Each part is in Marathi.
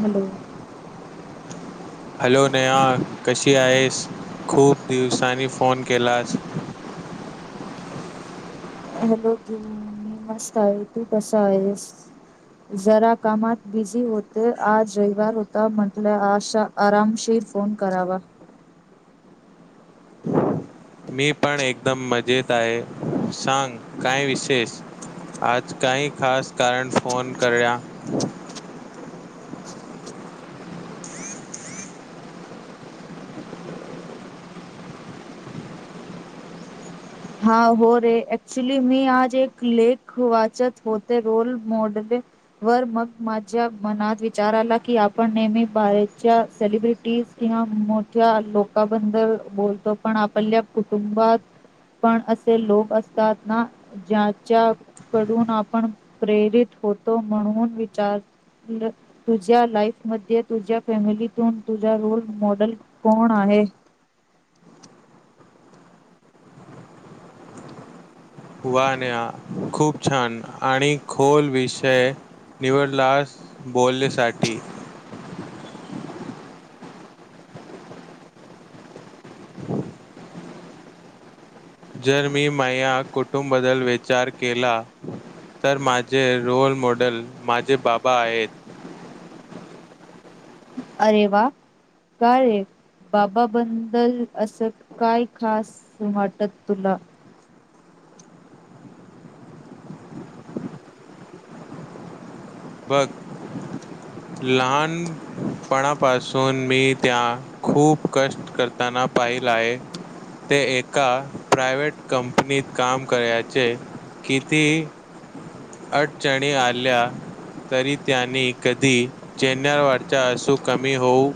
हॅलो हॅलो नेहा कशी आहेस, खूप दिवसांनी फोन केलास. [unintelligible] हॅलो, बोल मी मस्त आहे. तू कसा आहेस? जरा कामात बिझी होते आज रविवार होता. म्हटलं आशा आरामशीर फोन करावा. मी पण एकदम मजेत आहे. सांग, काय विशेष? आज काही खास कारण फोन करया हम हम हा हो रे. ऍक्चुली मी आज एक लेख वाचत होते रोल मॉडलिंग. वर मग माझ्या मनात विचार आला की आपण नेहमी बाहेरच्या सेलिब्रिटी या मोठ्या लोकाबदल बोलतो पण आपल्या कुटुंबात पण असे लोक असतात ना, ज्याच्याकडून आपण प्रेरित होत तो म्हणून विचार तुझ्या लाईफ मध्ये तुझ्या फॅमिलीतून तुझा रोल मॉडेल कोण आहे? [inaudible] वा नेहा खूप छान आणि खोल विषय निवडलास बोलण्यासाठी जर मी माह्या कुटुमबद्दल विचार केला तर माझे रोल मॉडेल माझे बाबा आहेत. अरे वा, का रे बाबा बंदल असं काय खास वाटत तुला. [inaudible] बघ लहानपणापासून मी त्या खूप कष्ट करताना पाई लाय. ते एका प्रायवेट कंपनीत काम करायचे. किती अडचणी आल्या तरी त्यांनी कधी चेनवरटचा असू कमी होऊ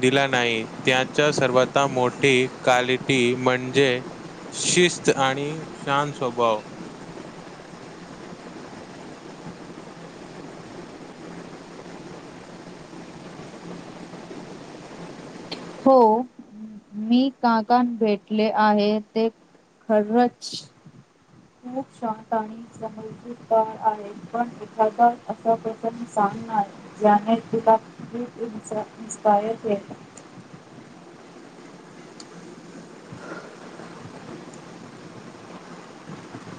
दिला नाही त्याच्या सर्वाता मोठी क्वालिटी म्हणजे शिस्त आणि शांत स्वभाव. हो मी काकान भेटले आहे ते खरंच खूप शांत आणि समजूदार आहे पण एखादा असा प्रसं सांगणार ज्याने तुला खूप इन्स्पायर केलं. [inaudible]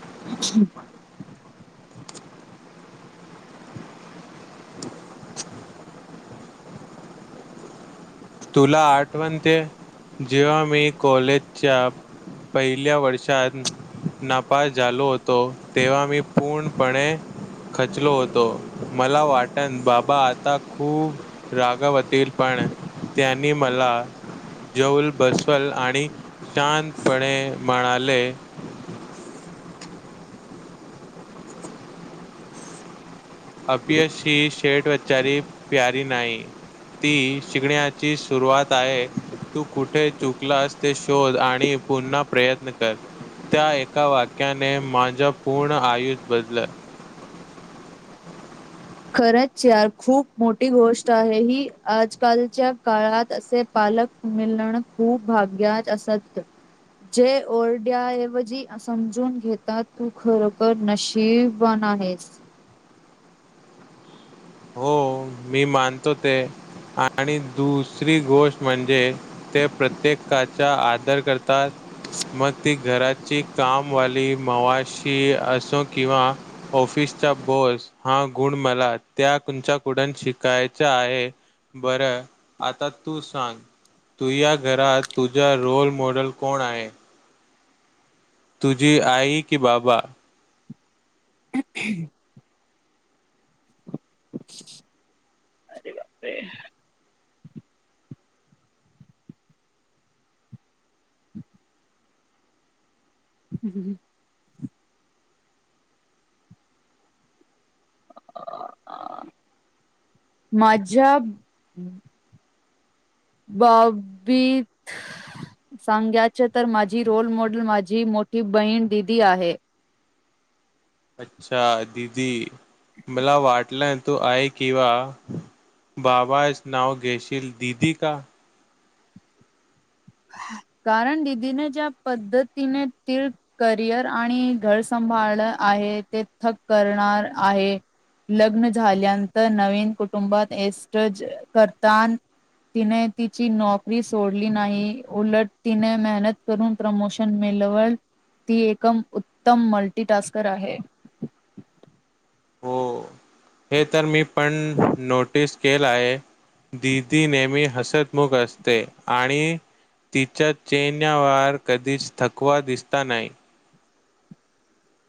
[inaudible] [inaudible] तुला आठवण ते. जेव्हा मी कॉलेजच्या पहिल्या वर्षात नापास झालो होतो तेव्हा मी पूर्णपणे खचलो होतो मला वाटन बाबा आता खूप रागावतील पण त्यांनी मला जऊल बसवल आणि शांतपणे म्हणाले. अपयश ही शेठ व्चारी प्यारी नाही. ती शिकण्याची सुरुवात आहे. तू कुठे चुकलास ते शोध आणि पुन्हा प्रयत्न कर. त्या एका वाक्याने माझं पूर्ण आयुष्य बदल. खरंच चार खूप मोठी गोष्ट आहे ही आजकालच्या काळात असे पा लक मिलण खूप भाग्याच असत. जे ओरड्याऐवजी समजून घेतात तू खरोखर नशीब आहेस. हो मी मानतो ते आणि दुसरी गोष्ट म्हणजे ते प्रत्येकाचा आदर करतात. मग ती घराची कामवाली मावाशी असो किंवा ऑफिस चा बोस हा गुण मला त्या तुमच्या कुडून शिकायच आहे बरं आता तू सांग. तु या घरात तुझा रोल मॉडेल कोण आहे? तुझी आई कि बाबा? ह हम्म माझ्या बाबीत सांगायचं तर माझी रोल मॉडेल माझी मोठी बहीण दिदी आहे. अच्छा दिदी मला वाटलंय तू आई किंवा बाबाच नाव घेशील, दिदी का कारण दिदीने ज्या पद्धतीने त करिअर आणि घर सम भाळ आहे ते थक करणार आहे. लग्न झाल्यानंतर नवीन कुटुंबात एस्टज करतान तिने तिची नोकरी सोडली नाही. उलट तिने मेहनत करून प्रमोशन मिलवल ती एकम उत्तम मल्टी टास्कर आहे. हो [unintelligible] हे तर मी पण नोटीस केलं आहे. दिदी नेहमी हसतमुख असते आणि तिच्या चेहऱ्यावर कधीच थकवा दिसता नाही.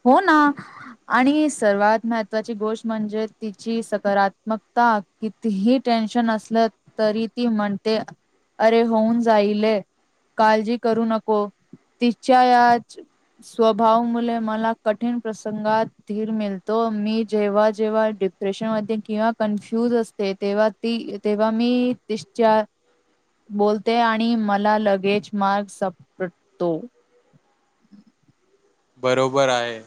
हो ना. आणि सर्वात महत्वाची गोष्ट म्हणजे तिची सकारात्मकता कितीही टेन्शन असलं तरी ती म्हणते अरे होऊन जाईले. काळजी करू नको तिच्या याच स्वभाव मुले मला कठीण प्रसंगात धीर मिळतो मी जेव्हा जेव्हा डिप्रेशन मध्ये किंवा कन्फ्यु असते तेव्हा ती तेव्हा मी तिच्या बोलते आणि मला लगेज मार्ग सापडतो. [unintelligible] बरोबर आहे.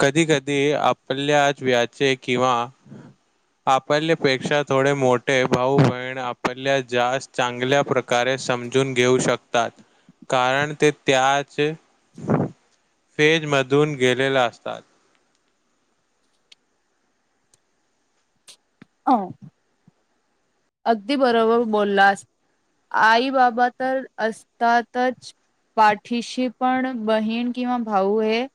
कधी कधी आपल्याच व्याचे किंवा आपल्यापेक्षा थोडे मोठे भाऊ बहिण आपल्या जास्त चांगल्या प्रकारे समजून घेऊ शकतात कारण ते त्याचे फेजमधून गेलेला असतात. अ अगदी बरोबर बोललास. आई बाबा तर असतातच, पाठीशी पण बहीण किंवा भाऊ हे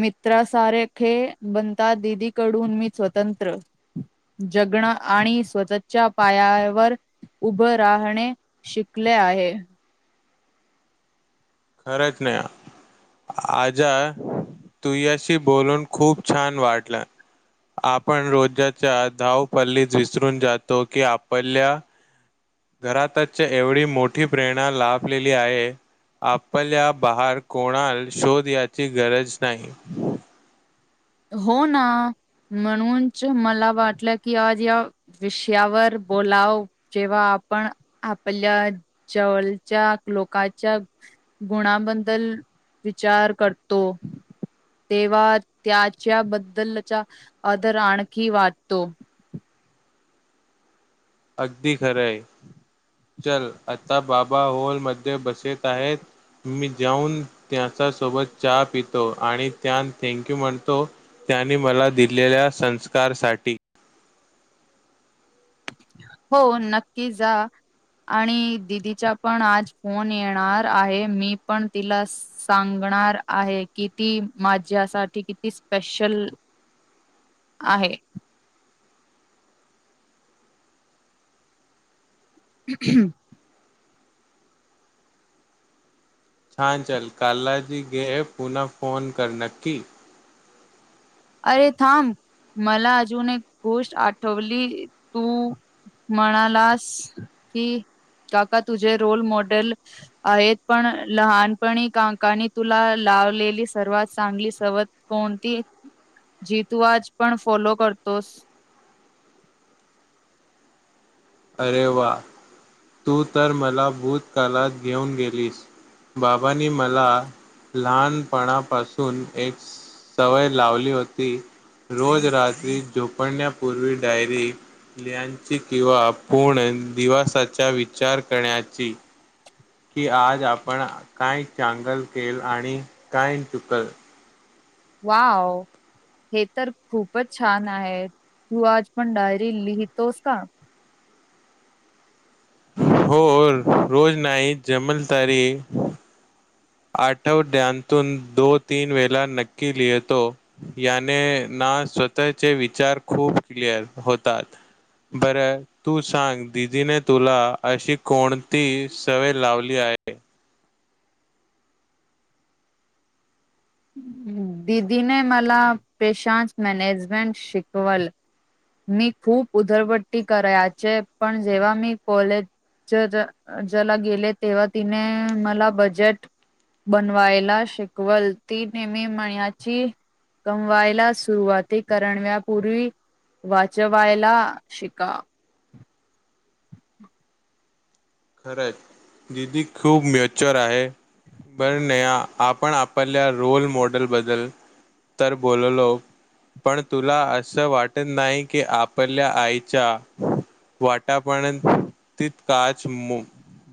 मित्रा सारेखे बनता दिदी कडून मी स्वतंत्र जग जगणे आणि स्वतःच्या पायावर उभं राहणे शिकले आहे. खरंच नाही. आजा तुझ्याशी बोलून खूप छान वाटलं. आपण रोजाच्या धावपल्लीत विसरून जातो की आपल्या घरातच एवढी मोठी प्रेरणा लाभलेली आहे. आपल्या बाहेर कोणाल शोध याची गरज नाही. हो ना. म्हणूनच मला वाटलं की आज या विषयावर बोलाव जेव्हा, आपण आपल्या जवळच्या लोकांच्या गुणाबद्दल विचार करतो तेव्हा त्याच्या बद्दलचा आदर आणखी वाटतो. अगदी खरं आहे. चल आता बाबा हॉलमध्ये बसत आहेत. मी जाऊन त्याच्या सोबत चहा पितो आणि त्यांना थँंक यू म्हणतो. त्यांनी मला दिलेल्या संस्कारसाठी, [unintelligible] हो नक्की जा. आणि दिदीच्या पण आज फोन येणार आहे मी पण तिला सांग आहे कि ती माझ्यासाठी किती स्पेशल आहे. [unintelligible] छान छान कालाजी गे पुन्हा फोन कर नक्की. अरे थांब मला अजून एक गोष्ट आठवली तू म्हणालास कि. काका तुझे रोल मॉडेल आहेत, पण लहानपणी काकांनी तुला लावलेली सर्वात चांगली सवय कोणती? जी तू आज पण फॉलो करतोस. [inaudible] अरे वा तू तर मला भूतकाळात घेऊन गेलीस. बाबाानी मला लहानपणापासून एक सवय लावली होती रोज रात्री झोपण्यापूर्वी डायरी लिहण्याची किंवा पूर्ण दिवासाचा विचार करण्याची. कि आज आपण काय चांगल केल आणि काय चुकल. वाव हे तर खूपच छान आहे. तू आज पण डायरी लिहितोस का? हो रोज नाही जमल तरी. आठव द्यातून दो तीन, वेला नक्की लिहेतो याने ना. आ स्वतः चे विचार खूप क्लिअर होतात. बरं तू सांग दिदीने तुला अशी कोणती सवय लावली आहे [inaudible] दिदीने मला पेशांच मॅनेजमेंट शिकवल. मी खूप उधळपट्टी करायचे पण जेव्हा मी कॉलेज ज ज ज्याला गेले तेव्हा तिने मला बजेट बनवायला शिकवल ती नेहमी मयाची कमवायला सुरुवाती करणव्यापूर्वी वाचवायला शिका. [inaudible] खरंच दिदी खूप मेच्युर आहे. बर नया आपण आपल्या रोल मॉडेल बद्दल. तर बोललो. पण तुला असं वाटत नाही की आपल्या आईच्या वाटापनेणं ती काच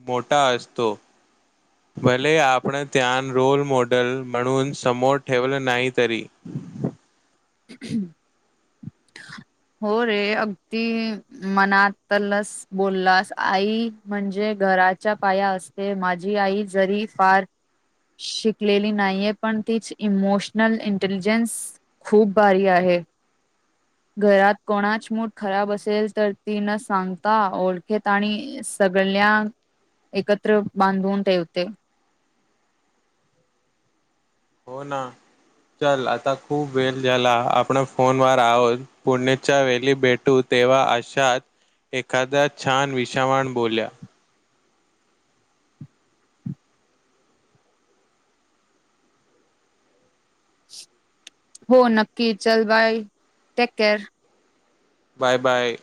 मोठा असतो भले आपण त्यान रोल मॉडेल म्हणून समोर ठेवलं नाही तरी, ह [inaudible] हो रे अगदी मनात लस बोललास आई म्हणजे. घराच्या पाया असते माझी आई जरी फार, शिकलेली नाहीये पण तीच इमोशनल इंटेलिजन्स खूप भारी आहे. घरात कोणाच मूड खराब असेल तर ती न सांगता ओळखेत आणि सगळ ळ्यान एकत्र बांधून ठेवते. हो ना. चल आता खूप वेळ झाला. आपण फोनवर आहोत पुण्याच्या वेली भेटू तेव्हा अशात एखाद्या छान विषावण बोल्या हो नक्की चल bye take care bye bye!